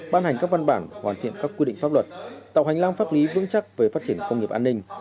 ban hành các văn bản hoàn thiện các quy định pháp luật tạo hành lang pháp lý vững chắc về phát triển công nghiệp an ninh